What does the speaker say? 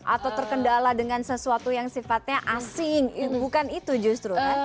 atau terkendala dengan sesuatu yang sifatnya asing bukan itu justru